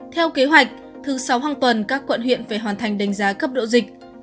theo kế hoạch thứ sáu hàng tuần các quận huyện phải hoàn thành đánh giá cấp độ dịch